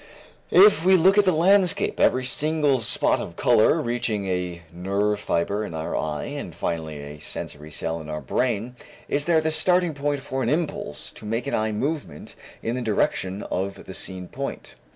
If we look at the landscape, every single spot of color, reaching a nerve fiber in our eye and finally a sensory cell in our brain, is there the starting point for an impulse to make an eye movement in the direction of the seen point.